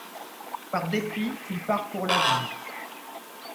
Par dépit, il part pour la ville.